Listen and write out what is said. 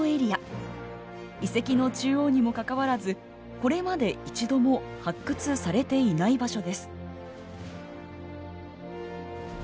遺跡の中央にもかかわらずこれまで一度も発掘されていない場所です。